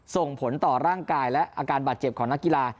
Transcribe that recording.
ส่งผลต่อร่างกายและอาการบาดเจ็บของนักกีฬา